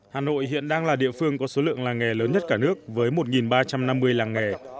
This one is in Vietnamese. hà nội hiện đang là địa phương có số lượng làng nghề lớn nhất cả nước với một ba trăm năm mươi làng nghề